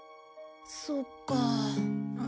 そっか。